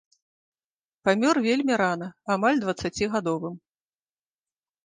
Памёр вельмі рана, амаль дваццацігадовым.